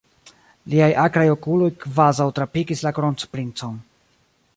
Liaj akraj okuloj kvazaŭ trapikis la kronprincon.